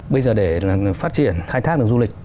bây giờ để phát triển khai thác được du lịch